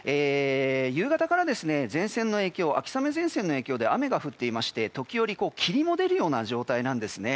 夕方から秋雨前線の影響で雨が降っていて、時折霧も出るような状態なんですね。